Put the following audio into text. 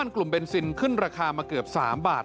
กลุ่มเบนซินขึ้นราคามาเกือบ๓บาท